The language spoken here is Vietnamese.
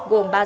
gồm ba dạng